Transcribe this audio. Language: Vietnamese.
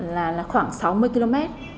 là khoảng sáu mươi km